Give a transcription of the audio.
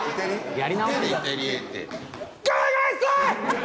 やり直せ。